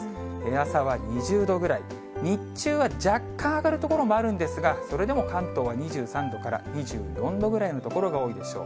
朝は２０度ぐらい、日中は若干上がる所もあるんですが、それでも関東は２３度から２４度ぐらいの所が多いでしょう。